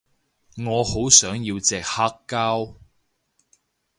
我好想要隻黑膠